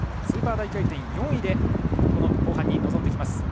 スーパー大回転４位でこの後半に臨んできます